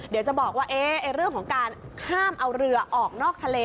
เดี๋ยวจะบอกว่าเรื่องของการห้ามเอาเรือออกนอกทะเล